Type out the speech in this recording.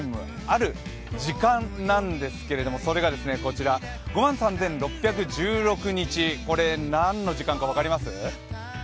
ある時間なんですけれども、それがこちら、５万３６１６日、これは何の時間か分かります？